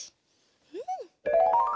うん。